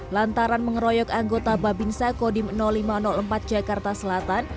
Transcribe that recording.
lantaran mengeroyok anggota babinsa kodim lima ratus empat jakarta selatan